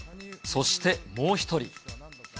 そしてもう一人。